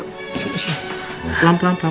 pelan pelan pelan